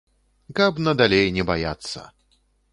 Каб надалей не баяцца.